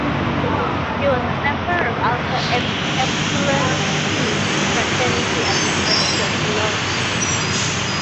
He was a member of Alpha Epsilon Pi fraternity at the University of Illinois.